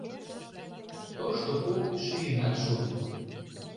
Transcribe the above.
Тошто пу шӱйынат шуын.